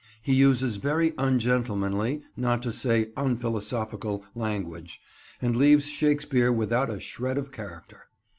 He uses very ungentlemanly, not to say unphilosophical, language, and leaves Shakespeare without a shred of character.